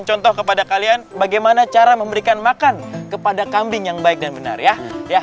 contoh kepada kalian bagaimana cara memberikan makan kepada kambing yang baik dan benar ya